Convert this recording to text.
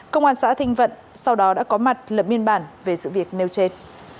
công an xã thinh vận sau đó đã có mặt lập miên bản về sự việc nêu trên